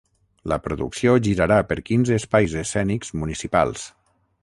La Producció girarà per quinze espais escènics municipals.